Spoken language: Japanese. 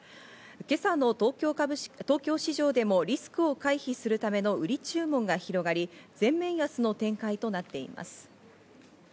今朝の東京市場でもリスクを回避するための売り注文が広がり、全面安の展開となっています。